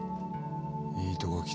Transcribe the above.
いいとこ来